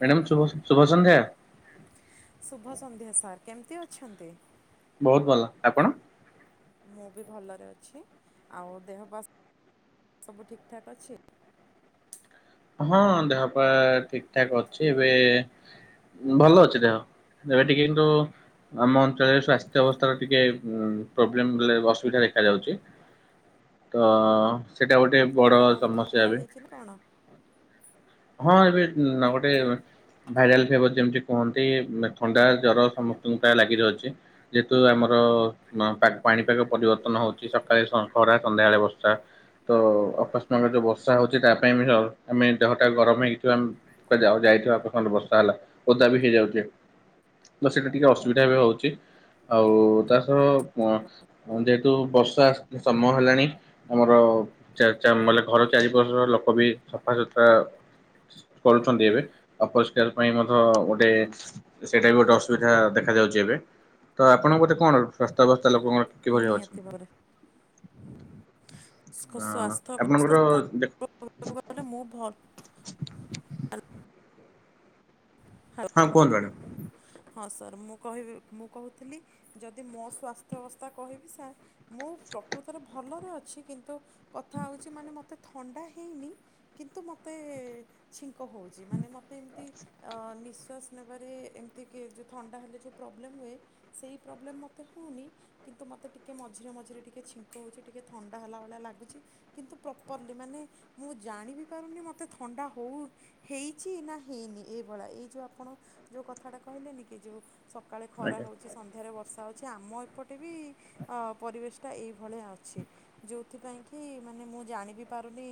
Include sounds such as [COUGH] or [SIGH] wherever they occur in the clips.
Madam ଶୁଭ ଶୁଭ ସନ୍ଧ୍ୟା। ଶୁଭ ସନ୍ଧ୍ୟା ସାର୍ କେମିତି ଅଛନ୍ତି? ବହୁତ ଭଲ ଆପଣ? ମୁଁ ବି ଭଲରେ ଅଛି ଆଉ ଦେହ ବାସ୍ ସବୁ ଠିକ ଠାକ୍ ଅଛି। ହଁ ଦେହପା ଠିକ ଠାକ୍ ଅଛି ଏବେ ଭଲ ଅଛି ଦେହ ଏବେ ଟିକେ କିନ୍ତୁ ଆମ ଅଞ୍ଚଳରେ ସୂସ୍ଥ୍ୟ ଅବସ୍ଥାର ଟିକେ ପ୍ରୋବ୍ଲେମଲେ ଅସୁବିଧା ଦେଖାଯାଉଛି। ତ ସେଇଟା ଗୋଟେ ବଡ ଆଚ୍ଛା କଣ ଥଣ୍ଡା ସମସ୍ୟା ଫଣ୍ଡା ଏବେ ହେଇଛି ନା କଣ? ହଁ ଏବେ ନା ଗୋଟେ ଭାଇରାଲ ଫିଭର ଯେମିତି କୁହନ୍ତି ଥଣ୍ଡା ଜ୍ଵର ସମସ୍ତଙ୍କ ପାଇଁ ଲାଗି ରହିଛି। ଯେହେତୁ ଆମରପା ପାଣିପାଗ ପରିବର୍ତ୍ତନ ହଉଛି ସକାଳେ ସ ଖରା ସନ୍ଧ୍ୟାବେଳେ ବର୍ଷା। ତ ଅକସ୍ମାକ ଯୋଉ ବର୍ଷା ହଉଛି ତା ପାଇଁ ବି ଆମେ ଦେହଟା ଗରମ ହେଇକି ଥିବା ଜଉ ଯାଇଥିବା ଅପଖଣ୍ଡ ବର୍ଷାହେଲା ଓଦା ବି ହେଇଯାଉଛି। ତ ସେଇଟା ଟିକେ ଅସୁବିଧା ବି ହଉଛି ଆଉ ତା ସହ ହଁ ଯେହେତୁ ବର୍ଷା ସମୟ ହେଲାଣି। ଆମର ଚାରି ଚାରି ମଲି ଘର ଚରିପଟ ଲେକବୀ ସଫାସତୁରା କରୁଛନ୍ତି ଏବେ ଅଉପରିଷ୍କାର ପାଇଁ ମଧ୍ୟ ଗୋଟେ ସେଇଟା ବି ଗୋଟେଅସୁବିଧା ଦେଖାଯାଉଛି ଏବେ ତ ଆପଣଙ୍କ ଗେଟେ କଣ ପ୍ରସ୍ତା ଅବସ୍ଥା ଲୋକଙ୍କର କିଭଲି ନିହାତି ଅଛି ଭାବରେ ହଁ ସ୍ୱାସ୍ଥ୍ୟ ଆପଣଙ୍କର ଅବସ୍ଥା ଦେଖ ଗଲେ ମୁଁ ଭଲ ହଁ କୁହନ୍ତୁ ଆଗ୍ୟ୍। ହଁ ସାର୍ ମୁଁ କହିବି ମୁଁ କହୁଥିଲି ଯଦି ମୋ ସ୍ବାସ୍ଥ୍ୟ ଅବସ୍ଥା କହିବି ସାର୍ ମୁଁ ପ୍ରକୃତରେ ଭଲରେ ଅଛି। କିନ୍ତୁ କଥା ହଉଛି ମାନେ ମତେ ଥଣ୍ଡା ହେଇନି କିନ୍ତୁ ମତେ ଛିଙ୍କ ହଉଛି ମାନେ ମତେ ଏମିତି ଅ ନିଶ୍ଵାସ ନେବାରେ ଏମିତି କି ଯେଉଁ ଥଣ୍ଡା ହେଲେ ଯେଉଁ ପ୍ରୋବ୍ଲେମ୍ ହୁଏ। ସେଇ ପ୍ରୋବ୍ଲେମ୍ ମୋତେ ହଉନି। କିନ୍ତୁ ମୋତେ ଟିକେ ମଝିରେ ମଝିରେ ଟିକେ ଛିଙ୍କ ହଉଛି ଟିକେ ଥଣ୍ଡା ହେଲା ଭଳିଆ ଲାଗୁଛି କିନ୍ତୁ ପ୍ରର୍ପରଲି ମାନେ ମୁଁ ଜାଣି ବି ପାରୁନି ମତେ ଥଣ୍ଡା ହଉ ହେଇଛି ନା ହେଇନି ଏ ଏଭଲିଆ ଏଇଯୋଉ ଆପଣଉଁ ଜଉ, କଥାଟା କହି ଲେନିକିସକାଳେ ଖରା ଆଜ୍ଞା। ହେଉଛି ସନ୍ଧ୍ୟାରେ ବର୍ଷା ଅଛି ଆମ ଏପଟେ ବି ପରିବେଶ ଟା ଏଇ ଭଳୀ ଆ ଅଛି ଯୋଉଥିପାଇଁ କି ମାନେ ମୁଁ ଜାଣି ବିି ପାରୁନି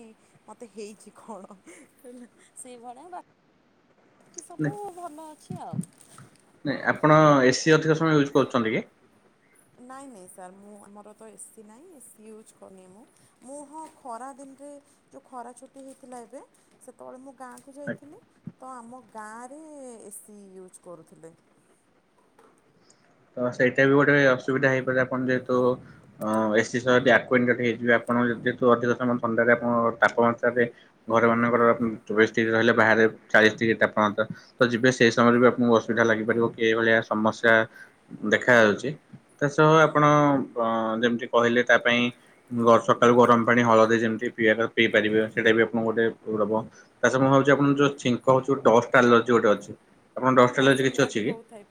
ମତେ ହେଇଛି କଣ ହଁ ହେଲା ସେଇ ଭଳିଆ ବା କି ସବୁ ଭଲ ଅଛି ଆଉ। ନାଁ ଆପଣ ଏ ସି ଅଧିକ ସମୟ ୟୁଜ୍ କରୁଛନ୍ତି କି? ନାଇଁ ନାଇଁ ସାର୍ ମୁଁ ଆମର ତ ଏ ସିି ନାହିଁ ଏସିି ୟୁଜ୍ କରିନି ମୁଁ। ମୁଁ ହଁ ଖରା ଦିନରେ ଯୋଉ ଖରା ଛୁଟି ହେଇଥିଲା ଏବେ ସେତେବେଳେ ମୁଁ ଗାଁକୁ ଯାଇଥିଲି ତ ଆମ ଗାଁରେ ଏ ସିି ୟୁଜ୍ କରୁଥିଲେ। ହ ସେଇଟା ବି ଗୋଟେ ଅସୁବିଧା ହେଇପାରେ। ଆପଣ ଯେହେତୁ ଅ ଏ ସିି ସହ ବ୍ୟକ୍ କୁଏଣ୍ଟ ହେଇଯିବେ। ଆ ଆପଣ ଯେତିକି ଥିବ ଅଧିକ ସମୟ ଥଣ୍ଡାରେ ଆପଣ ତାପମାତ୍ରାରେ ଘର ମାନଙ୍କର [UNINTELLIGIBLE] ରହିଲେ ବାହାରେ ଚାଳିଶି ଡିଗ୍ରୀ ତାପମାତ୍ରା ତ ଯିବେ ସେଇ ସମୟରେ ବି ଆପଣଙ୍କୁ ଅସୁବିଧା ଲାଗିପାରିବ କିଭଳିଆ ସମସ୍ୟା ଦେଖା ଯାଉଛି ତା ସହ ହଁ ଆପଣ ପ ଯେମିତି କହିଲେ ତା ପାଇଁ ଗ ସକାଳୁ ଗରମ ପାଣି ହଳଦୀ ଯେମିତି ପିଇବା କଥା ପିଇ ପାରିବେ ସେଇଟା ବି ଆପଣଙ୍କୁ ଗୋଟେ ପୂର୍ ଦବ। ତାସ ମୁଁ ଭାବଛି ଆପଣଙ୍କୁ ଯୋଉ ଛିଙ୍କ ହଉଛି ଡଷ୍ଟ ଆଲାର୍ଜି ଗୋଟେ ଅଛି। ଆପଣଙ୍କ ହଁ ଡଷ୍ଟ ହଁ ଆଲର୍ଜି କିଛି ସେଇଆ ଅଛି ବି କି? ହଉଥାଏ।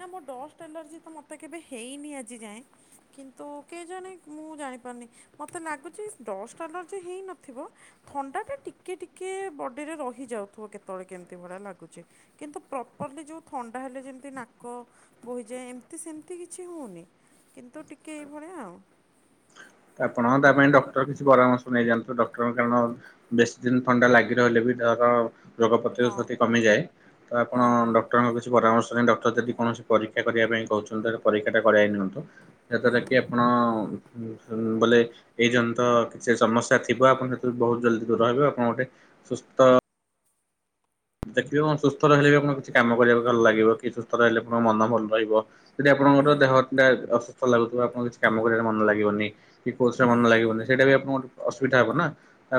ନା ମୋ ଡଷ୍ଟ ଆଲର୍ଜି ତ ମୋତେ କେବେ ହେଇନି ଆଜି ଯାଏଁ। କିନ୍ତୁ କେଜାଣି ମୁଁ ଜାଣିପାରୁନି ମତେ ଲାଗୁଛି ଡଷ୍ଟ ଆଲାର୍ଜି ହେଇନଥିବ। ଥଣ୍ଡାଟା ଟିକେ ଟିକେ ବଡିରେ ରହିଯାଉଥିବ କେତେବେଳେ କେମିତି ଭଳିଆ ଲାଗୁଛି କିନ୍ତୁ ପ୍ରପର୍ଲି ଯେଉଁ ଥଣ୍ଡା ହେଲେ ଯେମିତି ନାକ ବୋହିଯାଏ ଏମିତି ସେମିତି କିଛି ହଉନି। କିନ୍ତୁ ଟିକେ ଏଇ ଭଳିଆ ଆଉ। ଆପଣ ତା ପାଇଁ ଡକ୍ଟର କିଛି ପରାମର୍ଶ ନେଇଯାଆନ୍ତୁ ଡକ୍ଟରଙ୍କ କାରଣ ବେଶ ଦିନ ଥଣ୍ଡା ଲାଗି ରହିଲେ ବି ଡର ରୋଗ ପ୍ରତିରୋଧ ହଁ ଶକ୍ତି କମିଯାଏ ତ ଆପଣ ହଁ ହଁ ଡକ୍ଟରଙ୍କ କିଛି ପରାମର୍ଶ ନେଇ ଡ ତ ଯଦି କୌଣସି ପରୀକ୍ଷା କରିବା ପାଇଁ କହୁଛନ୍ତି ପରୀକ୍ଷାଟା କରାଇ ନିଅନ୍ତୁ ଯାହାଦ୍ଵାରା କି ଆପଣ ବୋଲେ ଏଇ ଜନ ତ କିଛି ସମସ୍ୟା ଥିବ ଆପଣ ସେଥିରୁ ବହୁତ ଜଲ୍ଦି ଦୂର ହେବେ ଆପଣ ଗୋଟେ ସୁସ୍ଥ। ଦେଖିବେ କଣ ସୁସ୍ଥ ରହିଲେ ବି ଆପଣଙ୍କୁ କିଛି କାମ କରିବାକୁ ଭଲ ଲାଗିବ କି ସୁସ୍ଥ ରହିଲେ ଆପଣଙ୍କ ମନ ଭଲ ରହିବ। ଯଦି ଆପଣଙ୍କର ଦେହଟା ଅସୁସ୍ଥ ଲାଗୁଥିବ ଆପଣଙ୍କୁ କିଛି କାମ କରିବାରେ ମନ ଲାଗିବନି। କି କୋରସରେ ମନ ନିହାତି ଲାଗିବନି ଭାବରେ। ସେଇଟା ବି ଆପଣଙ୍କ ଅସୁବିଧା ହବ ନା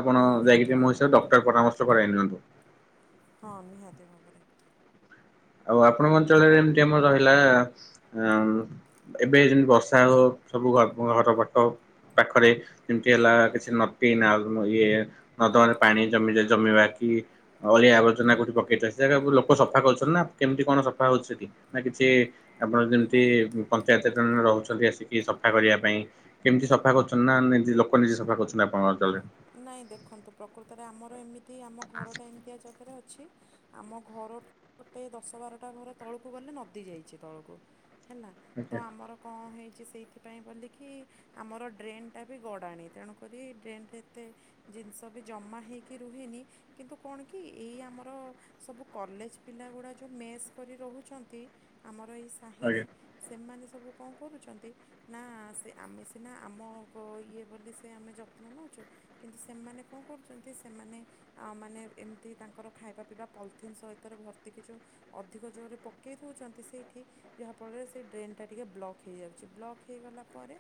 ଆପଣ ହୁଁ ଯାଇକି ନିହାତି ଟିକେ ମୋ ଭାବରେ ହିସାବ ଡ଼ ପରାମର୍ଶ କରାଇ ନିଅନ୍ତୁ। ହଁ ନିହାତି ଭାବରେ। ଆଉ ଆପଣଙ୍କ ଅଞ୍ଚଳରେ ଏମିତି ଆମର ରହିଲା ଆ ଏବେ ଯେମିତି ବର୍ଷା ହଉ ସବୁ ଘର [UNINTELLIGIBLE] ବାଟ ପାଖରେ ଯେମିତି ହେଲା କିଛି ନଟି ନାଲ ଇଏ ନଦମାରେ ପାଣି ଜମିଜା ଜମିବା କି? ଅଳିଆ ଆବର୍ଜନା କୋଠି ପକେଇଥ ସେରାଗୁ ଲୋକ ସଫା କରୁଛ ନା କେମିତି କଣ ସଫା ହେଉଛି ସେଠି ନା କିଛି ଆପଣ ଯେମିତି ହଁ ପଞ୍ଚାୟତରେ ଜଣେ ଜଣେ ରହୁଛନ୍ତି ଆସିକି ସଫା କରିବା ପାଇଁ। କେମିତି ସଫା କରୁଛନ୍ତି ନା ନିଜ ଲୋକ ନିଜେ ସଫା କରୁଛନ୍ତି ଆପଣଙ୍କ ଅଞ୍ଚଳରେ? ନାଇଁ ଦେଖନ୍ତୁ ପ୍ରକୃତରେ ଆମର ଏମିତି ଆମ ଘରଟା ଏମିତିଆ ଜାଗାରେ ଅଛି। ଆମ ଘରଠୁ ଗୋଟେ ଦଶ ବାରଟା ଘର ତଳକୁ ଗଲେ ନଦୀ ଯାଇଛି ତଳକୁ। ହେଲା ତ ଆଜ୍ଞା ଆମର କଣ ହେଇଛି ସେଇଥିପାଇଁ ବୋଲିକି ଆମର ଡ୍ରେନ୍ ଟା ବି ଗଡ଼ାଣି ତେଣୁକରି ଡ୍ରେନଟେ ଏତେ ଜିନିଷ ବି ଜମା ହେଇକି ରୁହେନି କିନ୍ତୁ କଣ କି ଏଇ ଆମର ସବୁ କଲେଜ ପିଲ ଗୁଡ଼ା ଯେଉ ମେସ୍ କରି ରହୁଛନ୍ତି ଆମର ଏଇ ସାହିରେ ସେମାନେ ସବୁ କଣ କରୁଛନ୍ତି? ନା ସେ ଆମେ ସିନା ଆମ ଗ ଇଏ ବୋଲି ସେ ଆମେ ଯତ୍ନ ନେଉଛୁ। କିନ୍ତୁ ସେମାନେ କଣ କରୁଛନ୍ତି ସେମାନେ ଆମାନେ ଏମିତି ତାଙ୍କର ଖାଇବା ପିଇବା ପଲିଥିନ୍ ସହିତରେ ଭର୍ତ୍ତି କିଛି ଓ ଅଧିକ ଜୋରରେ ପକେଇ ଦେଉଛନ୍ତି ସେଇଠି। ଯାହାଫଳରେ ସେଇ ଡ୍ରେନଟା ଟିକେ ବ୍ଲକ୍ ହେଇଯାଉଛି। ବ୍ଲକ୍ ହେଇଗଲା ପରେ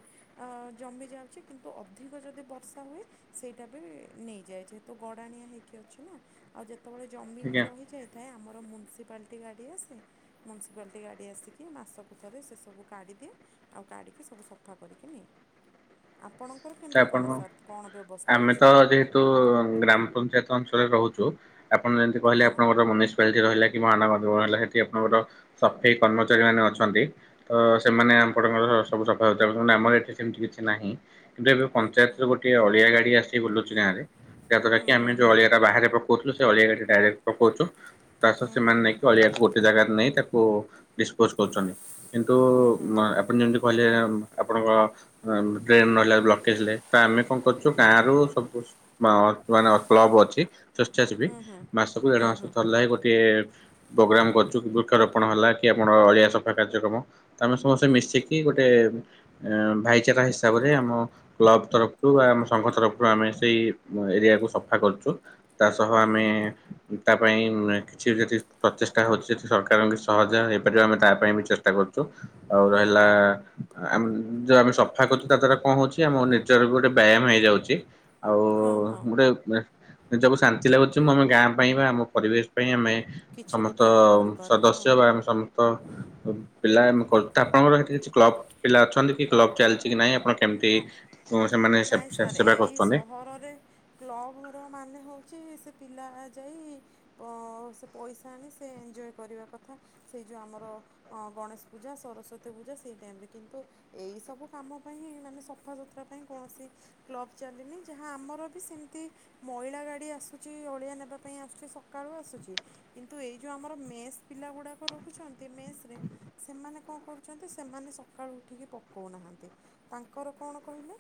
ଜମି ଯାଉଛି। କିନ୍ତୁ ଅଧିକ ଯଦି ବର୍ଷା ହୁଏ। ସେଇଟା ବି ନେଇଯାଏ ଯେହେତୁ ଗଡ଼ାଣିଆ ହେଇକି ଅଛି ନା ଆଉ ଯେତେବେଳେ ଆଜ୍ଞା ଜମିକି ରହିଯାଏ। ଥାଏ ଆମର ମ୍ୟୁନିସିପାଲିଟି ଗାଡ଼ି ଆସେ। ମ୍ୟୁନିସିପାଲିଟି ଗାଡ଼ି ଆସିକି ମାସକୁ ଥରେ ସେ ସବୁ କାଢ଼ିଦିଏ। ଆଉ କାଢିକି ସବୁ ସଫା କରିକି ନିଏ। ଆପଣଙ୍କର ଆଜ୍ଞା କେମତି ଆପଣ କଣ ସାର୍ କଣ ବ୍ୟବସ୍ଥା ଆମେ ତ ଅଛି? ଯେହେତୁ ଗ୍ରାମ ପଞ୍ଚାୟତ ଅଞ୍ଚଳରେ ରହୁଛୁ। ଆପଣ ଯେମିତି କହିଲେ ହଁ ଆପଣଙ୍କର ମନସ ପାଲିଟି ରହିଲା କି ମହା ନଗର ନିଗମ ରହିଲା ସେଠି ଆପଣଙ୍କର ସଫେଇ କର୍ମଚାରୀମାନେ ଅଛନ୍ତି। ତ ସେମାନେ ଆମଣଙ୍କର ସବୁ ସଫା ସୁତରା ହେଉନ୍ତୁ ଆମର ଏଠି ସେମିତି କିଛି ନାହିଁ। କିନ୍ତୁ ଏବେ ଆଚ୍ଛା ପଞ୍ଚାୟତରେ ଗୋଟେ ଅଳିଆଗାଡି ଆସିଛି। ବୁଲୁଛି ଗାଁରେ ଯାହା ଦ୍ୱାରା କି ଆମେ ଯଉ ଅଳିଆା ବାହାରେ ପକଉଥିଲୁ ସେ ଅଳିଆାଟି ଡାଇରେକ୍ଟ ପକଉଛୁ। ତାସତ ସେମାନେ ନେଇକି ଅଳିଆକୁ ଗୋଟେ ଜାଗାରେ ନେଇ ତାକୁ ଡିସପୋଜ କରୁଛନ୍ତି। କିନ୍ତୁ ଆପଣ ଯେମିତି କହିଲେ ଆପଣଙ୍କ ଡ୍ରେନ ରହିଲା। ବ୍ଲକେଜରେ ଆମେ କଣ କରୁଛୁ ଗାଁରୁ ସବୁ ମାନେ କ୍ଲବ ଅଛି। ସ୍ବେଛାସେବୀ ମାସକୁ ଦେଢ ମାସକୁ ଥରେ ଲେଖା ଗୋଟିଏ- ପ୍ରୋଗ୍ରାମ କରୁଛୁ। ବୃକ୍ଷରୋପଣ ହେଲା କି ଆପଣର ଅଳିଆ ସଫା କାର୍ଯ୍ୟକ୍ରମ ତ ଆମେ ସମସ୍ତେ ମିଶିକି- କି ଗୋଟେ ଭାଇଚାରା ହିସାବରେ ଆମ- କ୍ଲବ ତରଫରୁ ବା ଆମ ସଂଘ ତରଫରୁ ଆମେ ସେଇ ଏରିଆକୁ ସଫା କରୁଛୁ। ତା ସହ ଆମେ- ତା ପାଇଁ କିଛି ଯଦି ପ୍ରଚେଷ୍ଟା ହଉଛି ଯଦି ସରକାରଙ୍କ ସହଯୋଗ ହେଇପାରିବ ଆମେ ତା ପାଇଁ ବି ଚେଷ୍ଟା କରୁଛୁ ଆଉ ରହିଲା ଯଉ ଆମେ ସଫା କରୁଛୁ ତା ଦ୍ଵାରା କଣ ହଉଛି ଯେ ମୋ ନିଜର ବି ଗୋଟେ ବ୍ୟାୟାମ ହେଇଯାଉଛି ଆଉ ହଁ ହଁ। ଗୋଟେ ନିଜକୁ ଶାନ୍ତି ଲାଗୁଛି ମୁଁ ଆମ ଗାଁ ପାଇଁ ବା ଆମ ପରିବେଶ ପାଇଁ ଆମେ କିଛି ସମସ୍ତ ଗୋଟେ ଆମେ କରିପାରୁଛୁ ଆଉ। ସଦସ୍ୟ ବା ଆମେ ସମ ତ ପିଲା ଆପଣଙ୍କର ଏଠି କିଛି କ୍ଲବ ପିଲା ଅଛନ୍ତି କି କ୍ଲବ ଚାଲିଛି କି ନାଇଁ ଆପଣ- କେମିତି? ସେମାନେ ନାଇଁ ସାର୍ ସେବା ଏଇ କରୁଛନ୍ତି ସହରରେ କ୍ଲବଘର ମାନେ ହେଉଛି ସେ ପିଲା ଯାଇ ପସେ ପଇସା ଆଣି ସେ ଏଞ୍ଜୟ କରିବା କଥା ସେଇ ଯେଉଁ ଆମର ଅ ଗଣେଶ ପୂଜା ସରସ୍ଵତୀ ପୂଜା ସେଇ ଟାଇମ ରେ କିନ୍ତୁ ଏଇ ସବୁ କାମ ପାଇଁ ମାନେ ସଫାସୁତୁରା ପାଇଁ କୌଣସି କ୍ଲବ୍ ଚାଲିନି। ଯାହା ଆମର ବି ସେମିତି ମଇଳାଗାଡ଼ି ଆସୁଛି ଅଳିଆ ନେବା ପାଇଁ ଆସୁଛି ସକାଳୁ ଆସୁଛି କିନ୍ତୁ ଏଇ ଯୋଉ ଆମର ମେସ୍ ପିଲା ଗୁଡାକ ରଖୁଛନ୍ତି ମେସ ରେ। ସେମାନେ କଣ କରୁଛନ୍ତି ସେମାନେ ସକାଳୁ ଉଠିକି ପକଉନାହାନ୍ତି! ତାଙ୍କର କଣ କହିଲେ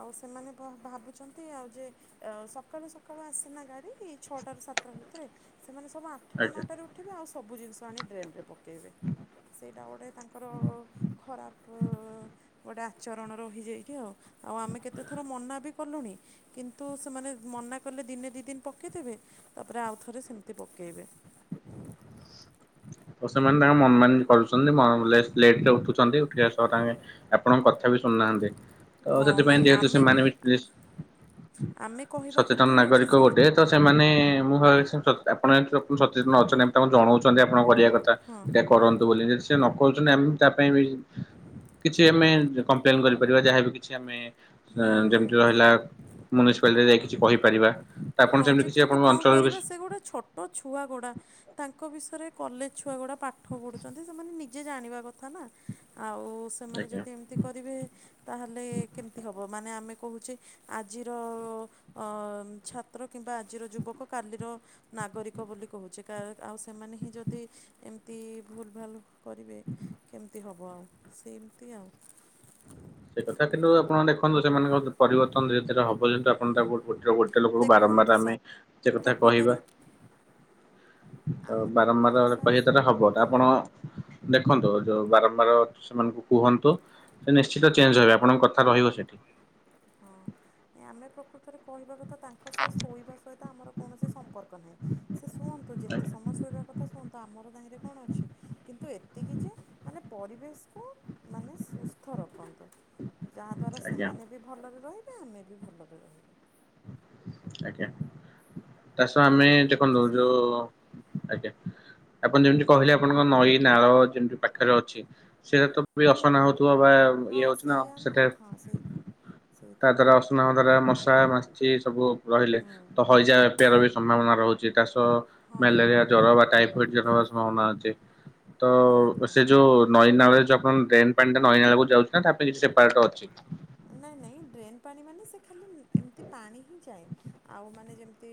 ଆଉ ସେମାନେ ଭାବୁଛନ୍ତି ଆଉ ଯେ - ସକାଳୁ ସକାଳୁ ଆସେନା ଗାଡ଼ି, ଛଅଟାରୁ ସାତଟା ଭିତରେ, ସେମାନେ ସବୁ ଆଠଟା ଆଜ୍ଞା। ନଅଟାରୁ- ଏବେ ଆଉ ସବୁ ଜିନିଷ ଆଣି ଡ୍ରେନରେ ପକେଇବେ। ସେଇଟା ଗୋଟେ ତାଙ୍କର ଖରାପ ଗୋଟେ ଆଚରଣର ଏଇଠି ଆଉ ଆଉ ଆମେ କେତେଥର ମନା ବି କଲୁଣି। କିନ୍ତୁ ସେମାନେ ମନା କଲେ ଦିନେ ଦି ଦିନ ପକେଇଦବେ ତାପରେ ଆଉ ଥରେ ସେମିତି ପକେଇବେ। ତ ସେମାନେ ତାଙ୍କ ମନମାନି କରୁଛନ୍ତି। ଲେଟରେ ଉଠୁଛନ୍ତି। ଉଠିବା ସହ ତାଙ୍କେ ଆପଣଙ୍କ କଥା- ବି ଶୁଣୁନାହାନ୍ତି ତ ହଁ ନାଇଁ ସେଥିପାଇଁ ଯେହେତୁ ସେ ଆମେ ମାନେ ଆମେ କହିବା କଥା ସଚେତନ ହେଉଛି ନାଗରିକ ସାର୍ ଗୋଟେ। ତ ସେମାନେ ମୁଁ ଭାବି ଆପଣ ଯେ ସଚେତନ ଅଛନ୍ତି ତାଙ୍କୁ ଜଣଉଛନ୍ତି ଆପଣଙ୍କ କରିବା କଥା ଏଇଟା କରନ୍ତୁ ବୋଲି ଯଦି ସେ ନ କରୁଛନ୍ତି ଆମ ତା ପାଇଁ ବି କିଛି ଆମେ କମ୍ପ୍ଲେନ କରିପାରିବା ଯାହାବି କିଛି ଆମେ ଯେମିତି ରହିଲା- ମ୍ୟନିସିପାଲିଟିରେ ଯାଇ କିଛି କହିପାରିବା ତ ଆପଣ ସେମିତି କିଛି ଆପଣଙ୍କ ଅଞ୍ଚଳରୁ କିଛି ତ ଛୁଆ ଗୋଡ଼ା ତାଙ୍କ ବିଷୟରେ କଲେଜ ଛୁଆଗୁଡା ପାଠ ପଢୁଛନ୍ତି। ସେମାନେ ନିଜେ ଜାଣିବା କଥା ନା ଆଉ ସେମାନେ ଆଜ୍ଞା। ଯଦି ଏମିତି କରିବେ, ତାହେଲେ କେମିତି ହେବ? ମାନେ ଆମେ କହୁଛେ, ଆଜିର ଅ ଛାତ୍ର, କିମ୍ବା ଆଜିର ଯୁବକ, କାଲିର ନାଗରିକ ବୋଲି କହୁଛେ଼, ଆଉ ସେମାନେ ହିଁ ଯଦି ଏମିତି ଭୁଲ ଭାଲ କରିବେ, କେମିତି ହବ ଆଉ, ସେମିତି ଆଉ ସେ କଥା କିନ୍ତୁ, ଆପଣ ଦେଖନ୍ତୁ ସେମାନଙ୍କ ପରିବର୍ତ୍ତନ ଧୀରେ ଧୀରେ ହବ ଯେହୁ, ଆପଣ ତାକୁ ଗୋଟ ଗୋଟେ ଲୋକକୁ ଦେଖନ୍ତୁ ବାରମ୍ବାର ଆମେ ସାର୍ ସେ କଥା ପ୍ରକୃତରେ କହିବା। ତ ଆମେ ପ୍ରକୃତରେ ବାରମ୍ବାର ସାର୍ କହିବା ଦ୍ଵାରା ହବ, ଆପଣ ଦେଖନ୍ତୁ ଯୋଉ ବାରମ୍ବାର ସେମାନଙ୍କୁ କୁହନ୍ତୁ। ନିଶ୍ଚିତ ସେ ଚେଞ୍ଜ ହେବେ। ଆପଣଙ୍କ କଥା ରହିବ ସେଠି। ହଁ ଆମେ ପ୍ରକୃତ ଥରେ କହିବା କଥା ତାଙ୍କ ସାର୍ ଶୋଇବା ସହିତ ଆମର କୌଣସି ସମ୍ପର୍କ ନାହିଁ। ସେ ଶୁଅନ୍ତୁ, ଯେତେ ସମୟ ଶୋଇବା କଥା ଶୁଅନ୍ତୁ। ଆମର ଜାଣିରେ କଣ ଅଛି? କିନ୍ତୁ ଏତିକି ଯେ, ମାନେ ପରିବେଶକୁ ମାନେ, ସୁସ୍ଥ ରଖନ୍ତୁ। ଯାହାଦ୍ୱାରା ଆଜ୍ଞା ସେମାନେ ବି ଭଲରେ ରହିବେ, ଆମେ ବି ଭଲରେ ରହିବୁ। ଆଜ୍ଞା ତା ସହ ଆମେ କଥାଟା ହେଉଛି ଦେଖନ୍ତୁ, ସେଇଆ ଯୋଉ ଆଜ୍ଞା, ଆପଣ ଯେମିତି କହିଲେ ଆପଣଙ୍କ ନଈ ନାଳ ଯେମିତି ପାଖରେ ଅଛି, ସେଇଟା ତ ବି ଅସନା ହଉଥିବ, ବା ଇଏ ହଉଛି ନା, ସେଟା ହ ସେ ତା ଦ୍ଵାରା ଅସନା ଦ୍ଵାରା ମଶା, ମାଛି ସବୁ ରହିଲେ ହୁଁ ତ ହଇଜା ବ୍ୟାପାର ବି ସମ୍ଭାବନା ରହୁଛି, ତା ସହ ହଁ ମ୍ୟାଲେରିଆ ଜର ବା ଟାଇଫଏଡ ଜର ହ ସମ୍ଭାବନା ଅଛି। ତ ନିହାତି ସେ ଭାବରେ। ଯୋଉ ନଈନାଳରେ ଯୋଉ ଆପଣ ଡ୍ରେନ୍ ପାଣି ଟା ନଈ ନାଳକୁ ଯାଉଛି, ନା ତା ପାଇଁ କିଛି ସେପରଟ ଅଛି? [INAUDIBLE] ନାଇଁ ନାଇଁ ଡ୍ରେନ୍ ପାଣି ମାନେ, ସେ ଖାଲି ଏମିତି ପାଣି ହିଁ ଯାଏ। ଆଉ ମାନେ ଯେମିତି,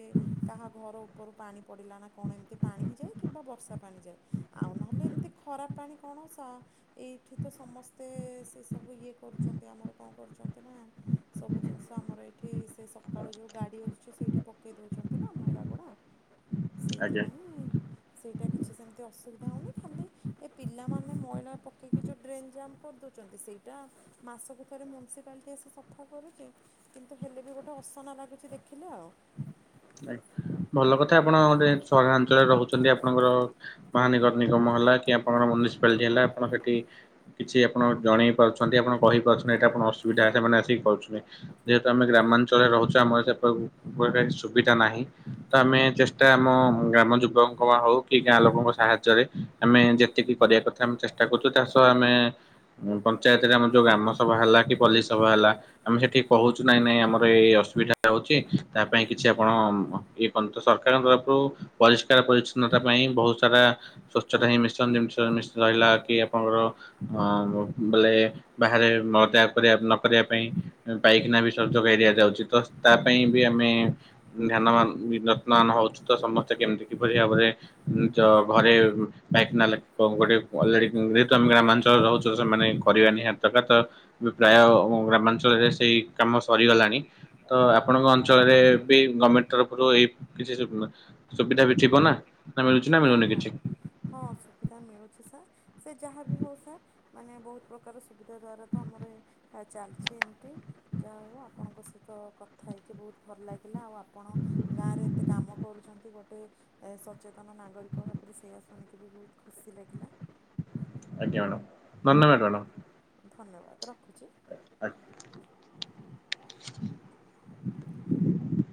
କାହା ଘର ଉପରୁ ପାଣି ପଡ଼ିଲା ନା କଣ ଏମିତି ପାଣି ହ ଯାଏ, କିମ୍ବା ବର୍ଷା ପାଣି ଯାଏ, ଆଉ ନହଲେ ହେଲେ ଏମିତି ଖରାପ ପାଣି କଣ ସା ଏଇଠି ତ ସମସ୍ତେ ସେ ସବୁ ଇଏ କରୁଛନ୍ତି, ଆମର କଣ କରୁଛନ୍ତି ନା ସବୁ ଜିନିଷ ଆମର ଏଇଠି, ସେ ସକାଳୁ ଯେଉଁ ଗାଡ଼ି ଆସୁଛି, ସେଇଠି ପକାଇ ଦେଉଛନ୍ତି ନା ମଇଳା ଗୁଡା [INAUDIBLE] ଆଜ୍ଞା। ସେଇଥିପାଇଁ, ସେଇଟା କିଛି ସେମିତି ଅସୁବିଧା ହେଉନି। ଖାଲି ଏ ପିଲାମାନେ ମଇଳା ପକେଇକି ଯେଉଁ ଡ୍ରେନ୍ ଜାମ୍ କରିଦେଉଛନ୍ତି। ସେଇଟା ମାସକୁ ଥରେ ମ୍ୟୁନିସିପାଲିଟି ଆସି ସଫା କରୁଛି। କିନ୍ତୁ ହେଲେ ବି ଗୋଟେ ଅସନା ଲାଗୁଛି ଦେଖିଲେ ଆଉ। ଆଜ୍ଞା ଭଲ କଥା ଆପଣ ଗୋଟେ ସହରାଞ୍ଚଳରେ ରହୁଛନ୍ତି ଆପଣଙ୍କର ମହାନଗର ନିଗମ ହେଲା, କି ଆପଣଙ୍କର ମୁନିସିପାଲିଟି ହେଲା, ଆପଣ ସେଠି କିଛି ଆପଣ ଜଣେଇ ପାରୁଛନ୍ତି, ଆପଣ କହିପାରୁଛନ୍ତି, ଏଇଟା ଆପଣ ଅସୁବିଧା ସେମାନେ ଆସିକି ପାରୁଛନ୍ତି। ଯେହେତୁ ଆମେ ଗ୍ରାମାଞ୍ଚଳରେ ରହୁଛୁ, ଆମର ସେପଟେ ସୁବିଧା ନାହିଁ। ତ ଆମେ ଚେଷ୍ଟା, ଆମ ଗ୍ରାମ ଯୁବଙ୍କ ହଉ, କି ଗାଁ ଲୋକଙ୍କ ସାହାଯ୍ୟରେ ଆମେ ଯେତିକି କରିବା କଥା, ଆମେ ଚେଷ୍ଟା କରୁଛୁ, ଚାଷ ଆମେ ପଞ୍ଚାୟତରେ ଆମର ଯୋଉ ଗ୍ରାମ ସବ ହେଲା, କି ପଲୀ ସବା ହେଲା ଆମେ ସେଠିକି କହୁଛୁ ନାଇଁ, ନାଇଁ ଆମର ଏଇ ଅସୁବିଧା ହଉଛି, ତା ପାଇଁ କିଛି ଆପଣ ଇଏ ପର୍ଯ୍ୟନ୍ତ ସରକାରଙ୍କ ତରଫରୁ, ପରିଷ୍କାର ପରିଚଛନ୍ନତା ପାଇଁ ବହୁତ ସାରା ସ୍ଵଚ୍ଛତା ହିଁ ମିଶନ ରହିଲା, କି ଆପଣଙ୍କର ବୋଲେ ବାହାରେ ମଳତ୍ୟାଗକରିବା ନ କରିବା ପାଇଁ। ପାଇଖାନା ବି ସ ଯୋଗାଇ ଦିଆଯାଉଛି, ତ ତା ପାଇଁ ବି ଆମେ ଧ୍ୟାନବନା ଯତ୍ନ ନ ହଉଛୁ ତ ସମସ୍ତେ କେମିତି କିପରି ଭାବରେ ତ ଘରେ ପାଈଖୀନା, ଲାଟିନ, ଗୋଟେ ଅଲରେଡି ଯେହତୁ ଆମେ ଗ୍ରାମାଞ୍ଚଳରେ ରହୁଛୁ ସେମାନେ କରିବା ନିିହାତୀ ଦରକାର ତ ପ୍ରାୟ ଗ୍ରାମାଞ୍ଚଳରେ ସେଇ କାମ ସରିଗଲାଣି ତ ଆପଣଙ୍କ ଅଞ୍ଚଳରେ ବି ଗଭର୍ଣ୍ଣମେଣ୍ଟ ତରଫରୁ ଏଇ କିଛି ସୁବିଧା ବି ଥିବ ନା ନା ମିଳୁଛି ନା ହଁ ମିଳୁନି ହଁ କିଛି। ହଁ ସୁବିଧା ମିଳୁଛି ସାର୍ ସେ ଯାହା ବିି ହେଉ ସାର୍ ମାନେ ବହୁତ ପ୍ରକାର ସୁବିଧା ଦ୍ଵାରା ତ ଆମର ଚାଲିଛି ଏମିତି। ଯାହା ହଉ ଆପଣଙ୍କ ସହିତ କଥା ହେଇକି ବହୁତ ଭଲ ଲାଗିଲା ଆଉ ଆପଣ ଗାଁ ରେ ଏତେ କାମ କରୁଛନ୍ତି ଗୋଟେ ଏ ସଚେତନ ନାଗରିକ ଭାବରେ ସେଇୟା ଶୁଣିକି ବି ବହୁତ ଖୁସି ଲାଗିଲା। ଆଜ୍ଞା ଧନ୍ୟବଦ ହଉ ମାଡାମ। ଧନ୍ୟବାଦ ରଖୁଛି। ଆଜ୍ଞା।